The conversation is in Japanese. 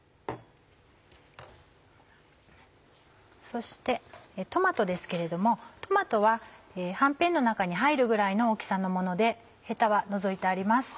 そしてトマトですけれどもトマトははんぺんの中に入るぐらいの大きさのものでヘタは除いてあります。